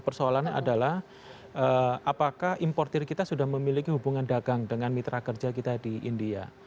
persoalannya adalah apakah importer kita sudah memiliki hubungan dagang dengan mitra kerja kita di india